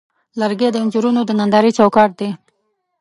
لرګی د انځورونو د نندارې چوکاټ دی.